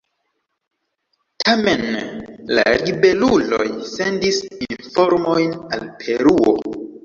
Tamen la ribeluloj sendis informojn al Peruo.